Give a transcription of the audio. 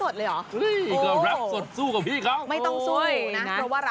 เชิญมา